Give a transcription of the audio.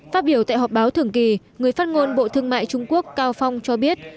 phát biểu tại họp báo thường kỳ người phát ngôn bộ thương mại trung quốc cao phong cho biết